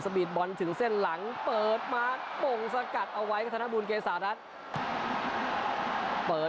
ธิริพันธ์ไปช่วยนะครับ